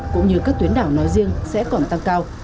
cũng như các tuyến đảo nói riêng sẽ còn tăng cao